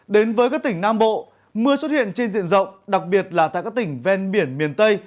đến với các tỉnh nam bộ mưa xuất hiện trên diện rộng đặc biệt là tại các tỉnh ven biển miền tây